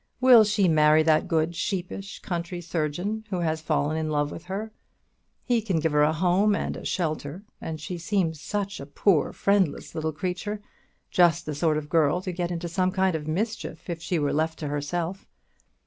Will she marry that good, sheepish country surgeon, who has fallen in love with her? He can give her a home and a shelter; and she seems such a poor friendless little creature, just the sort of girl to get into some kind of mischief if she were left to herself.